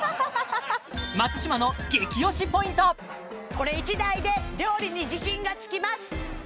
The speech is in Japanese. これ１台で料理に自信がつきます